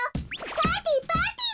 パーティーパーティー！